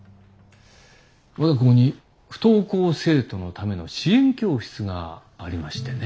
我が校に不登校生徒のための支援教室がありましてね。